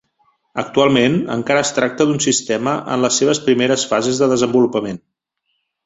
Actualment encara es tracta d’un sistema en les seves primeres fases de desenvolupament.